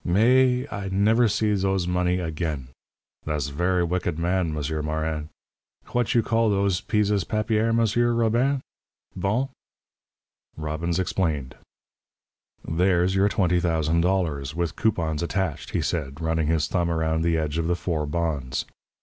Mais I never see those money again. Thass ver' wicked man, M'sieur Morin. H'what you call those peezes papier, M'sieur Robbin' bon!" Robbins explained. "There's your twenty thousand dollars, with coupons attached," he said, running his thumb around the edge of the four bonds.